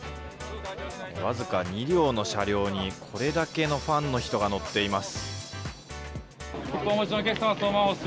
わずか２両の車両にこれだけのファンの人が乗っています。